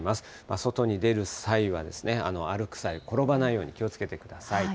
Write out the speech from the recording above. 外に出る際はですね、歩く際、転ばないように気をつけてください。